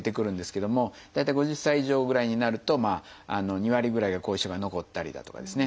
大体５０歳以上ぐらいになると２割ぐらいが後遺症が残ったりだとかですね